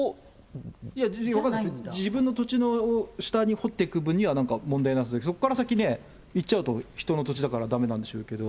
自分の土地の下に掘っていく分にはなんか問題ないですけど、そこから先ね、行っちゃうと人の土地だからだめだろうけど。